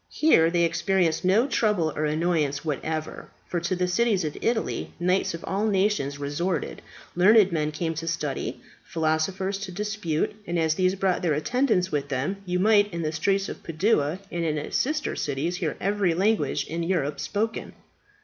Here they experienced no trouble or annoyance whatever, for to the cities of Italy knights of all nations resorted, learned men came to study, philosophers to dispute, and as these brought their attendants with them, you might in the streets of Padua and its sister cities hear every language in Europe spoken.